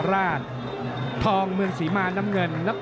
เจ็กสีแดงเจ็กสีแดงเจ็กสีแดง